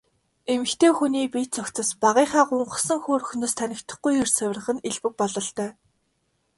Эмэгтэй хүний бие цогцос багынхаа гунхсан хөөрхнөөс танигдахгүй эрс хувирах нь элбэг бололтой.